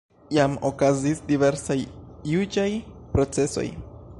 Jam okazis diversaj juĝaj procesoj.